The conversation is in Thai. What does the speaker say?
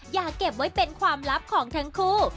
อย่าเก็บไว้เป็นความลับของทั้งคู่